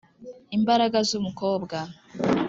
imbaraga zumukobwa.